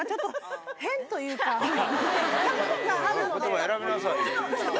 言葉選びなさいよ。